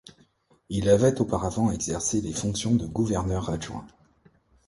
Il avait auparavant exercé les fonctions de gouverneur adjoint.